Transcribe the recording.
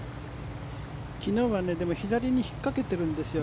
昨日は左に引っかけているんですよ。